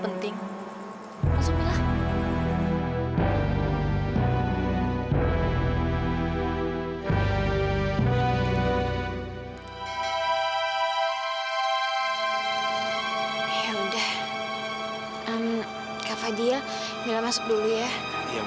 dan dia sedang mengandung anak kamu